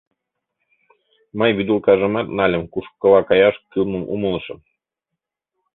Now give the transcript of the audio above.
Мый вӱдылкажымат нальым, кушкыла каяш кӱлмым умылышым.